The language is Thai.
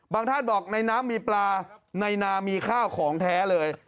ท่านบอกในน้ำมีปลาในนามีข้าวของแท้เลย